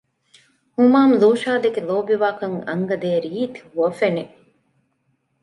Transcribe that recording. ހުމާމް ލޫޝާދެކެ ލޯބިވާކަން އަންގަދޭ ރީތި ހުވަފެނެއް